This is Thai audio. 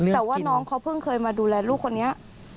แต่ว่าน้องเขาเพิ่งเคยมาดูแลลูกคนนี้